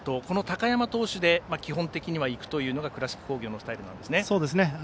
この高山投手で基本的にはいくというのが倉敷工業のスタイルですね。